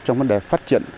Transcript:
trong vấn đề phát triển